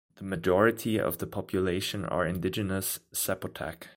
The majority of the population are indigenous Zapotec.